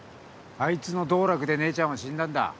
あいつの道楽で姉ちゃんは死んだんだ。